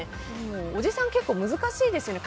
おじさん結構難しいですよね。